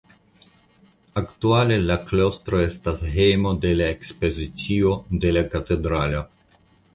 Aktuale la klostro estas hejmo de la ekspozicio de la katedralo.